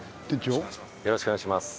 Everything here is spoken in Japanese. よろしくお願いします